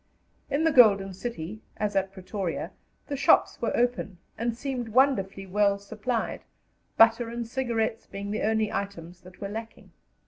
In the "Golden City," as at Pretoria, the shops were open, and seemed wonderfully well supplied, butter and cigarettes being the only items that were lacking.